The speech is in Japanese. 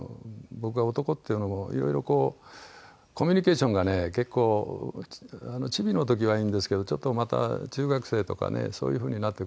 僕が男っていうのもいろいろこうコミュニケーションがね結構チビの時はいいんですけどちょっとまた中学生とかねそういう風になってくると難しく。